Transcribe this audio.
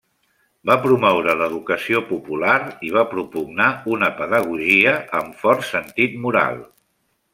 Va promoure l'educació popular i va propugnar una pedagogia amb fort sentit moral.